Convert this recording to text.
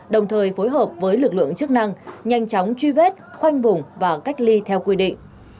đồng thời phối hợp với lực lượng chức năng nhanh chóng truy vết khoanh vùng và cách ly theo quy định